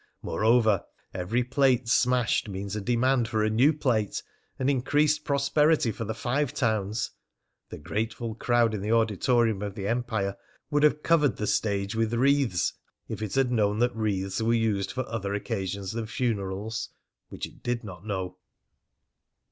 Moreover, every plate smashed means a demand for a new plate and increased prosperity for the Five Towns. The grateful crowd in the auditorium of the Empire would have covered the stage with wreaths if it had known that wreaths were used for other occasions than funerals; which it did not know.